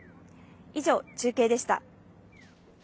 以上、中継でした。